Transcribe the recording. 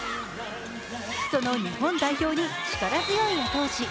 その日本代表に力強い後押し。